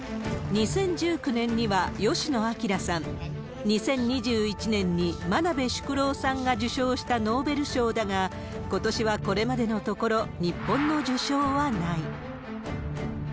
２０１９年には吉野彰さん、２０２１年に真鍋淑郎さんが受賞したノーベル賞だが、ことしはこれまでのところ、日本の受賞はない。